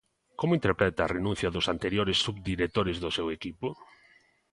¿Como interpreta a renuncia dos anteriores subdirectores do seu equipo?